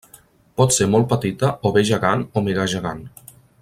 Pot ser molt petita o bé gegant o mega gegant.